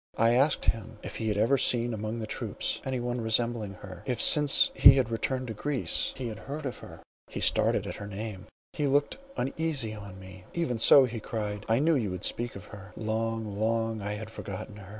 I asked him, if he had ever seen among the troops any one resembling her; if since he had returned to Greece he had heard of her? He started at her name,—he looked uneasily on me. "Even so," he cried, "I knew you would speak of her. Long, long I had forgotten her.